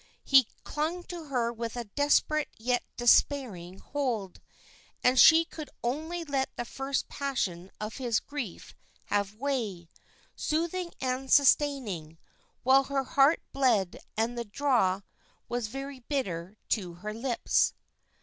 He clung to her with a desperate yet despairing hold, and she could only let the first passion of his grief have way, soothing and sustaining, while her heart bled and the draught was very bitter to her lips.